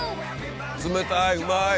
冷たいうまい。